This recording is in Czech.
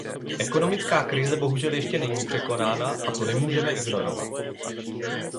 Ekonomická krize bohužel ještě není překonána a to nemůžeme ignorovat.